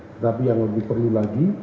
tetapi yang lebih perlu lagi